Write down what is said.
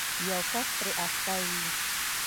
یو کس پرې اخته وي